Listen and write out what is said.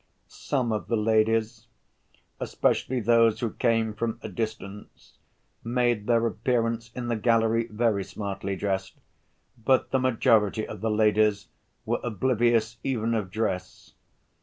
Some of the ladies, especially those who came from a distance, made their appearance in the gallery very smartly dressed, but the majority of the ladies were oblivious even of dress.